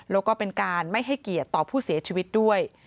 แล้วก็เป็นการไม่ให้เกียรติต่อผู้เสียชีวิตด้วย